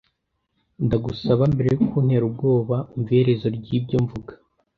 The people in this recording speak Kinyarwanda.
Ndagusaba, mbere yo kuntera ubwoba umva iherezo ryibyo mvuga.